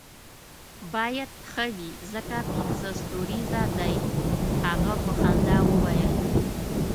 باید ښه وي ځکه پنځه ستوریزه دی، هغه په خندا وویل.